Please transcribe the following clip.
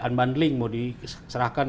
unbundling mau diserahkan